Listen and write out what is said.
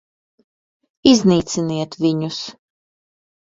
Iznīciniet viņus!